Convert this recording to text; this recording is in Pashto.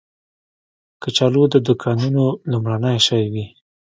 کچالو د دوکانونو لومړنی شی وي